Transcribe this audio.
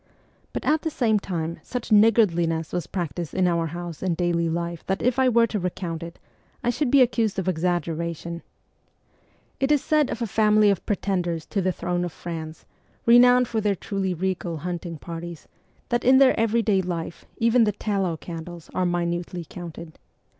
But at the same time such niggardliness was practised in our house in daily life that if I were to recount it, I should be ac cused of exaggeration. It is said of a family of pretenders D 2 36 MEMOIRS OF A REVOLUTIONIST to the throne of France, renowned for their truly regal hunting parties, that in their everyday life even the tallow candles are minutely counted.